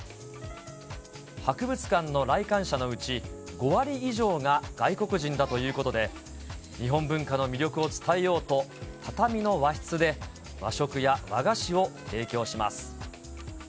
５割以上が外国人だということで、日本文化の魅力を伝えようと、畳の和室で、和食や和菓子を提供します。